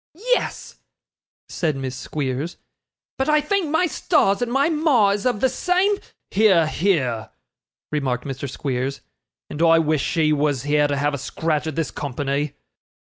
'Yes,' said Miss Squeers; 'but I thank my stars that my ma is of the same ' 'Hear, hear!' remarked Mr. Squeers; 'and I wish she was here to have a scratch at this company.